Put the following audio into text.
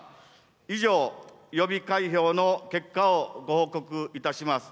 以上、予備開票の結果をご報告いたします。